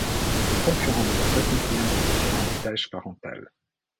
Les concurrents doivent accomplir des différentes tâches parentales.